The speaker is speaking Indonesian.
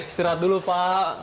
istirahat dulu pak